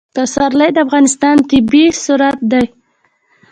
پسرلی د افغانستان طبعي ثروت دی.